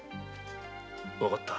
わかった。